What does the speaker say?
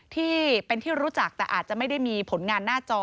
ที่เป็นที่รู้จักแต่อาจจะไม่ได้มีผลงานหน้าจอ